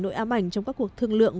nội ám ảnh trong các cuộc thương lượng